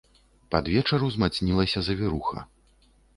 Пад вечар узмацнілася завіруха.